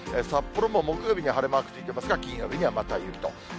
札幌も木曜日に晴れマークついてますが、金曜日にはまた雪と。